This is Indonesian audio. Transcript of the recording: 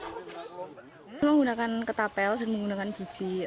menggunakan ketapel dan menggunakan biji